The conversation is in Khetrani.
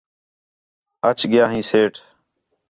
اَچ ڳِیا ہیں سیٹھ